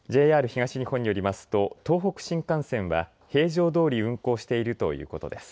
ＪＲ東日本によりますと東北新幹線は平常どおり運行しているということです。